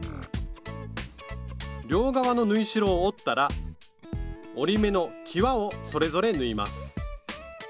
両側の縫い代を折ったら折り目のきわをそれぞれ縫います。